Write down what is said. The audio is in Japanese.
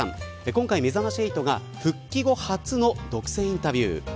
今回めざまし８が復帰後初の独占インタビュー。